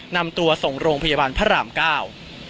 นำตัวส่งโรงพยาบาลพระรามเก้า